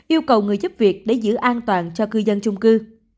yêu cầu người giúp việc để giữ an toàn cho cư dân chung cư